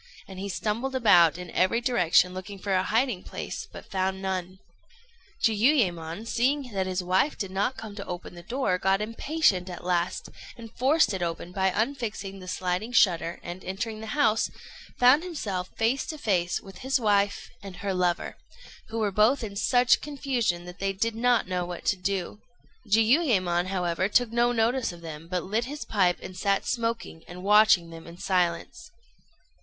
and he stumbled about in every direction looking for a hiding place, but found none. Jiuyémon, seeing that his wife did not come to open the door, got impatient at last, and forced it open by unfixing the sliding shutter and, entering the house, found himself face to face with his wife and her lover, who were both in such confusion that they did not know what to do. Jiuyémon, however, took no notice of them, but lit his pipe and sat smoking and watching them in silence.